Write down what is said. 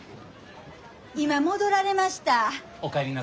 今戻られました。